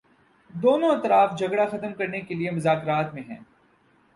دونوں اطراف جھگڑا ختم کرنے کے لیے مذاکرات میں ہیں